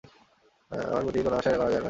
আমার প্রতি কোন আশাই করা যায় না।